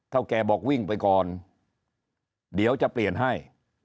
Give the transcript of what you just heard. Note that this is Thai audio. แกบอกวิ่งไปก่อนเดี๋ยวจะเปลี่ยนให้